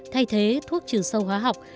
thay thế thuốc trừ sâu hóa học